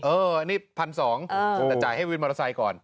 เออนี่๑๒๐๐บาทแต่จ่ายให้วินมอเตอร์ไซค์ก่อน